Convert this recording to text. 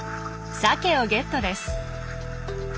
サケをゲットです。